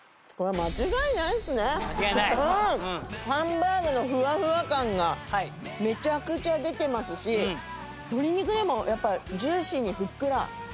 ハンバーグのフワフワ感がめちゃくちゃ出てますし鶏肉でもやっぱジューシーにふっくらいってますね。